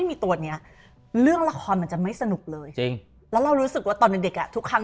แล้วฉันได้เล่นตัวร้ายว่าเหมือนถ้าสมมุติวันมีคำบ่อ